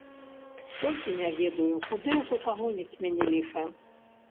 Толькі не ведаю, куды ўжо пагоніць мяне ліха.